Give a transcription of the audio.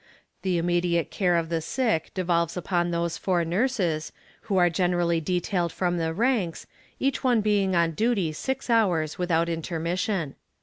The immediate care of the sick devolves upon those four nurses, who are generally detailed from the ranks, each one being on duty six hours without intermission.